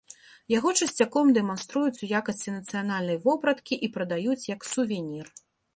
Яго часцяком дэманструюць у якасці нацыянальнай вопраткі і прадаюць як сувенір.